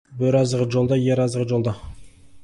Бөрі азығы жолда, ер азығы жолда.